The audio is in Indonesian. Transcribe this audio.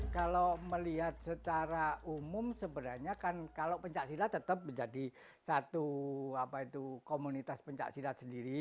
kalau melihat secara umum sebenarnya kan kalau pecah silat tetap menjadi satu komunitas pecah silat sendiri